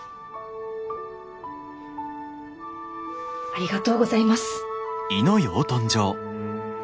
ありがとうございます。